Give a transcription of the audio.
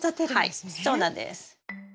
はいそうなんです。